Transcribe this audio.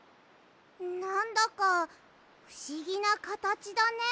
なんだかふしぎなかたちだね。